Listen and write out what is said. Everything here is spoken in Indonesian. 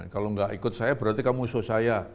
kalau nggak ikut saya berarti kamu musuh saya